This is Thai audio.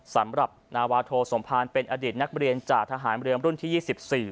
สำหรับนาวาโถสมภารเหปี้ยนะคะทหารเรือรุ่นที่๒๔